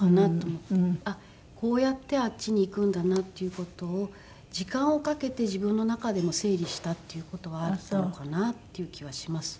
あっこうやってあっちに逝くんだなっていう事を時間をかけて自分の中でも整理したっていう事はあったのかなっていう気はします。